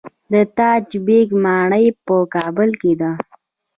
د تاج بیګ ماڼۍ په کابل کې ده